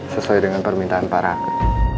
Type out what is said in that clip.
sesuai dengan permintaan paraka